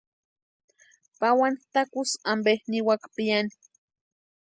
Pawani takusï ampe niwaka piani.